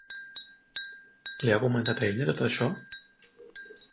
Li ha comentat a ella tot això?